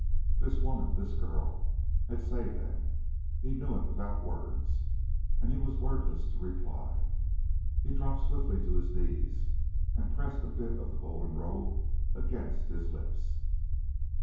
This woman this girl had saved them. He knew it without words, and he was wordless to reply. He dropped swiftly to his knees and pressed a bit of the golden robe against his lips.